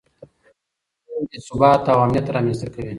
دندې ثبات او امنیت رامنځته کوي.